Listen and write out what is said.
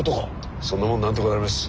そんなもんなんとかなります。